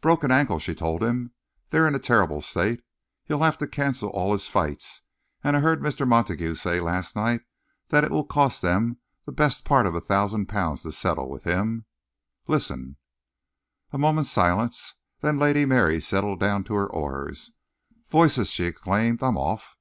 "Broken ankle," she told him. "They're in a terrible state. He'll have to cancel all his fights, and I heard Mr. Montague say last night that it will cost them the best part of a thousand pounds to settle with him.... Listen!" A moment's silence, then Lady Mary settled down to her oars. "Voices!" she exclaimed. "I'm off."